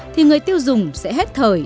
thì người tiêu dùng sẽ hết thời